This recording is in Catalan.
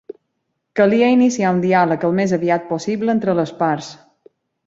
Calia iniciar un diàleg al més aviat possible entre les parts.